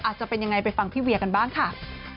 จะเป็นยังไงไปฟังพี่เวียกันบ้างค่ะ